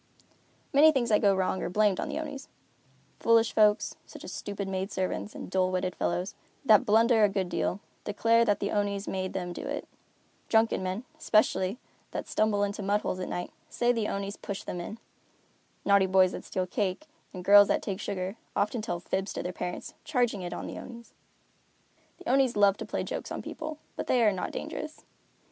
Many things that go wrong are blamed on the Onis. Foolish folks, such as stupid maid servants, and dull witted fellows, that blunder a good deal, declare that the Onis made them do it. Drunken men, especially, that stumble into mud holes at night, say the Onis pushed them in. Naughty boys that steal cake, and girls that take sugar, often tell fibs to their parents, charging it on the Onis. The Onis love to play jokes on people, but they are not dangerous.